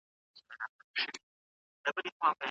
د فرهنګي ارزښتونو ترمنځ توپیر د علمي پرمختګ لپاره مهم دي.